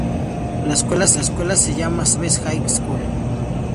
La escuela se llama Cesar Chavez High School.